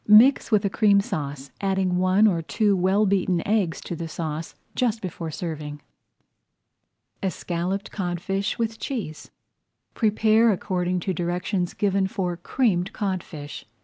Mix with a Cream Sauce, adding one or two well beaten eggs to the sauce just before serving. ESCALLOPED CODFISH WITH CHEESE Prepare according to directions given for Creamed Codfish.